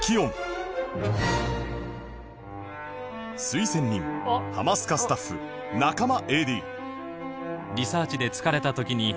推薦人『ハマスカ』スタッフ中間 ＡＤ